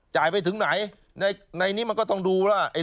จ่ายไปถึงไหนในนี้มันก็ต้องดูว่า